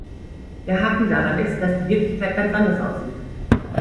Der Haken daran ist, dass die Wirklichkeit ganz anders aussieht.